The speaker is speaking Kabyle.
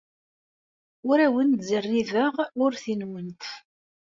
Ur awent-d-ttẓerribeɣ urti-nwent.